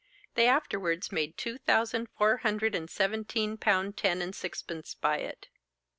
They afterwards made two thousand four hundred and seventeen pound ten and sixpence by it.